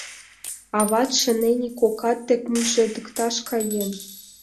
Аватше Нени кокат дек мужедыкташ каен.